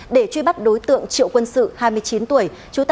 để truy bắt đối tượng triệu quân sự hai mươi chín tuổi